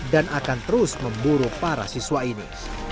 dan akan terus memburu para siswa ini